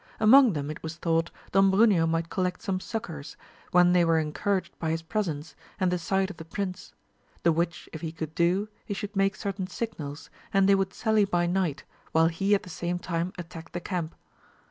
Among them, it was thought, Don Bruneo might collect some succours, when they were encouraged by his presence, and the sight of the prince ; the which if he could do, he should make certain signals, and they would sally by night, while he at the same time attacked the camp.